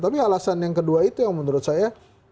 tapi alasan yang kedua itu yang menurut saya